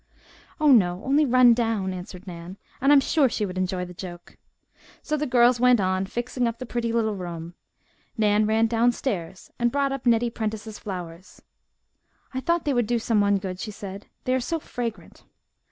"Oh, no, only run down," answered Nan, "and I'm sure she would enjoy the joke." So the girls went on fixing up the pretty little room. Nan ran downstairs and brought up Nettie Prentice's flowers. "I thought they would do someone good," she said. "They are so fragrant."